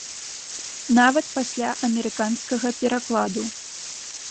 Нават пасля амерыканскага перакладу.